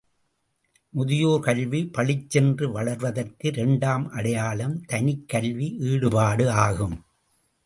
முதியோர் கல்வி பளிச்சென்று வளர்வதற்கு இரண்டாம் அடையாளம் தனிக்கல்வி ஈடுபாடு ஆகும்.